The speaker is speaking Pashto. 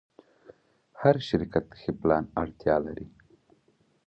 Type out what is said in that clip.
هر شرکت د ښه پلان اړتیا لري.